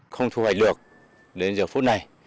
không thu hoạch lược đến giờ phút này